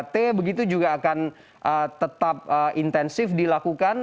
tiga t begitu juga akan tetap intensif dilakukan